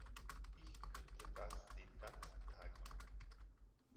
Ich könnte das den ganzen Tag machen.